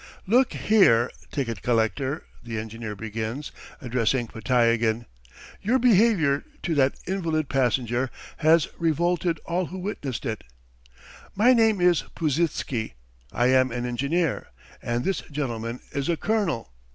"Look here, ticket collector!" the engineer begins, addressing Podtyagin. "Your behaviour to that invalid passenger has revolted all who witnessed it. My name is Puzitsky; I am an engineer, and this gentleman is a colonel.